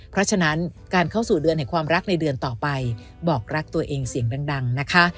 เพราะฉะนั้นการเข้าสู่เดือนแห่งความรักในเดือนต่อไปบอกรักตัวเองเสียงดังนะคะ